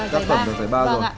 ba tác phẩm đoàn giải ba rồi